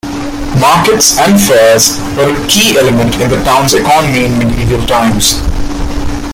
Markets and fairs were a key element in the town's economy in medieval times.